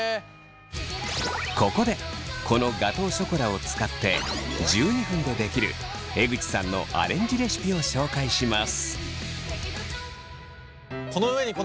ここでこのガトーショコラを使って１２分でできる江口さんのアレンジレシピを紹介します。